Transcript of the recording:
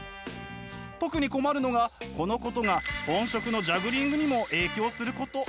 特に困るのがこのことが本職のジャグリングにも影響すること。